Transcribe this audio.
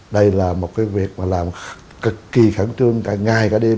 đây là một cái việc mà làm cực kỳ khẳng trương cả ngày cả đêm